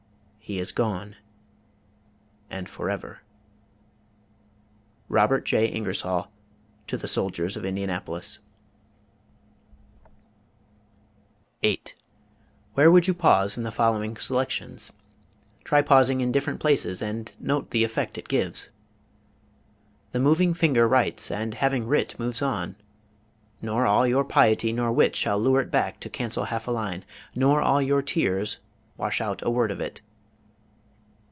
He is gone and forever. ROBERT J. INGERSOLL, to the Soldiers of Indianapolis. 8. Where would you pause in the following selections? Try pausing in different places and note the effect it gives. The moving finger writes; and having writ moves on: nor all your piety nor wit shall lure it back to cancel half a line, nor all your tears wash out a word of it.